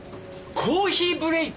コーヒーブレーク！